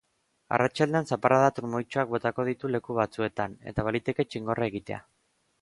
Arratsaldean zaparrada trumoitsuak botako ditu leku batzuetan, eta baliteke txingorra egitea.